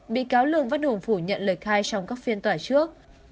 bị cáo lường văn hùng phủ nhận lời khai trong các phiên tòa trước